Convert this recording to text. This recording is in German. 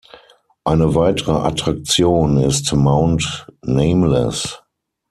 Eine weitere Attraktion ist Mount Nameless.